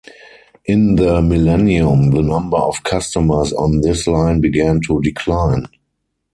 In the millennium, the number of customers on this line began to decline.